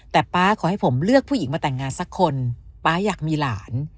แต่ป๊าขอให้ผมเลือกผู้หญิงมาแต่งงานสักคนป๊าอยากมีหลาน